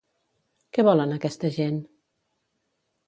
Què volen aquesta gent?